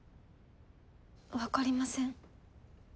分かりません。